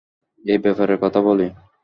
এই ব্যাপারে কথা বলি।